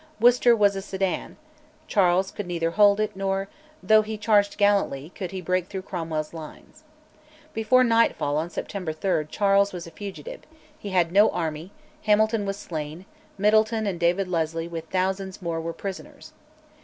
Worcester was a Sedan: Charles could neither hold it nor, though he charged gallantly, could he break through Cromwell's lines. Before nightfall on September 3 Charles was a fugitive: he had no army; Hamilton was slain, Middleton and David Leslie with thousands more were prisoners.